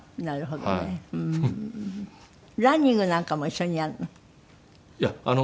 ランニングなんかも一緒にやるの？